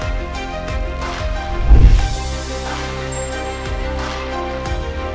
apa dipindah buku pasar dengana kumpulan nonprofits pun